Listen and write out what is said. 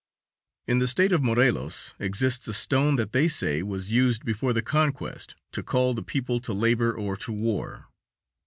In the State of Morelos exists a stone that they say was used before the conquest to call the people to labor or to war.